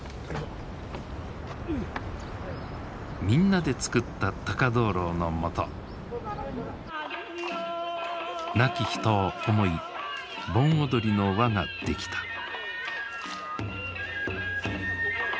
みんなで作った高灯籠のもと亡き人を思い盆踊りの輪が出来た。